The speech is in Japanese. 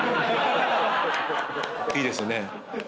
いいですね。